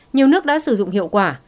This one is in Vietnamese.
nhiều nước đã sử dụng hiệu quả